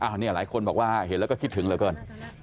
อันนี้หลายคนบอกว่าเห็นแล้วก็คิดถึงเหลือเกิน